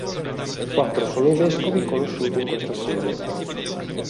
Quattro sono i vescovi conosciuti di questa sede.